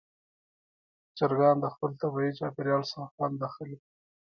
چرګان د خپل طبیعي چاپېریال څخه خوند اخلي.